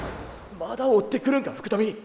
まだ追ってくるんか福富！